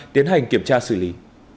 tiến hành kiểm tra xử lý